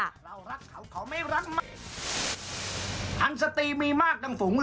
อัลโลแมนส์อีก